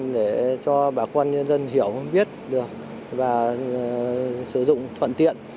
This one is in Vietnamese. để cho bà con nhân dân hiểu biết được và sử dụng thuận tiện